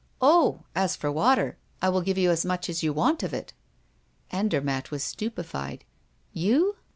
"Oh! as for water, I will give you as much as you want of it." Andermatt was stupefied. "You?"